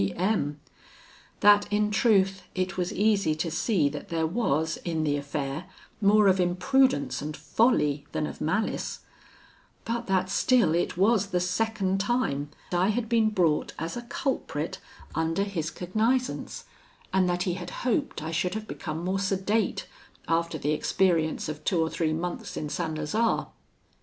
G M ; that in truth it was easy to see that there was, in the affair, more of imprudence and folly than of malice; but that still it was the second time I had been brought as a culprit under his cognisance; and that he had hoped I should have become more sedate, after the experience of two or three months in St. Lazare.